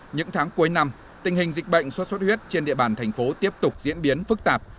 những tháng cuối năm tình hình dịch bệnh xuất xuất huyết trên địa bàn thành phố tiếp tục diễn biến phức tạp